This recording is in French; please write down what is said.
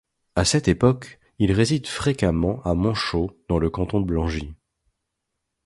À cette époque, il réside fréquemment à Monchaux dans le canton de Blangy.